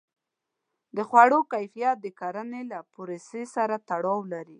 د خوړو کیفیت د کرنې له پروسې سره تړاو لري.